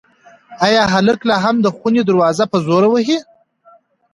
ایا هلک لا هم د خونې دروازه په زور وهي؟